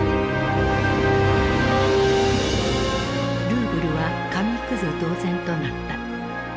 ルーブルは紙くず同然となった。